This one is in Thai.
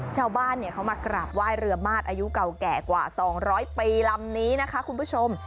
ชาวบ้านเขามากราบไหว้เรือมาดอายุเก่าแก่กว่า๒๐๐ปีลำนี้นะคะคุณผู้ชม